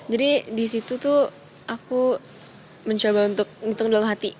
jadi di situ tuh aku mencoba untuk hitung dalam hati